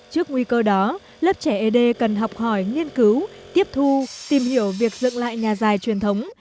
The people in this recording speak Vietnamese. trước nguy cơ đó lớp trẻ ấy đê cần học hỏi nghiên cứu tiếp thu tìm hiểu việc dựng lại nhà dài truyền thống